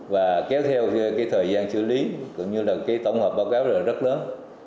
và kéo theo thời gian xử lý tổng hợp báo cáo rất lớn